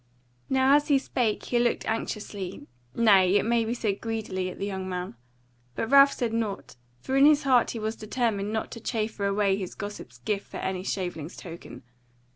Now as he spake he looked anxiously, nay, it may be said greedily, at the young man. But Ralph said nought; for in his heart he was determined not to chaffer away his gossip's gift for any shaveling's token.